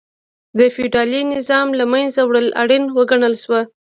د فیوډالي نظام له منځه وړل اړین وګڼل شو.